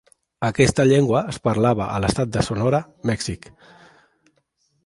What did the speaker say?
Aquesta llengua es parlava a l'estat de Sonora, Mèxic.